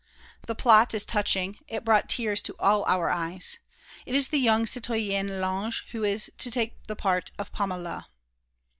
The plot is touching; it brought tears to all our eyes. It is the young citoyenne Lange who is to take the part of 'Paméla.'"